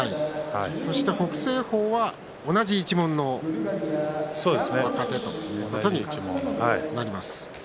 そして、北青鵬は同じ一門の若手ということにはい、そうですね。